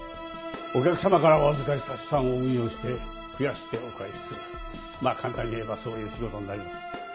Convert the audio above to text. お客様からお預かりした資産を運用して増やしてお返しするまあ簡単に言えばそういう仕事になります。